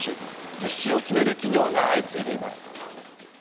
実施を決める企業が相次いでいます。